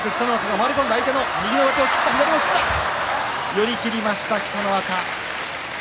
寄り切りました、北の若。